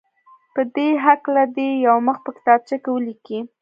په دې هکله دې یو مخ په کتابچه کې ولیکي.